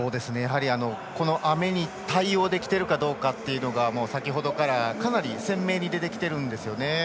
雨に対応できているかどうかというのが先ほどから、かなり鮮明に出てきてるんですよね。